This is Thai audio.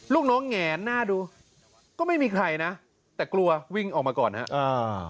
ลูกน้องแงนหน้าดูก็ไม่มีใครนะแต่กลัววิ่งออกมาก่อนฮะอ่า